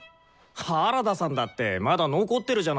原田さんだってまだ残ってるじゃないですか。